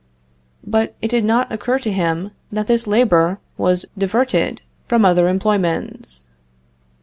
But it did not occur to him that this labor was diverted from other employments.